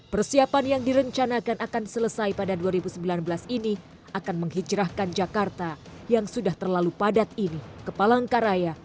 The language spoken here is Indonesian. persiapan yang direncanakan akan selesai pada dua ribu sembilan belas ini akan menghijrahkan jakarta yang sudah terlalu padat ini ke palangkaraya